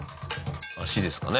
足ですかね？